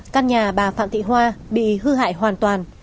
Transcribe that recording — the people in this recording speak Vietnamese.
căn nhà bà phạm thị hoa bị hư hại hoàn toàn